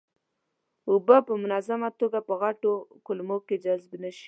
اوبه په منظمه توګه په غټو کولمو کې جذب نشي.